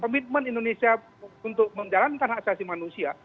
komitmen indonesia untuk menjalankan hak asasi manusia